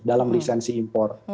dalam lisensi impor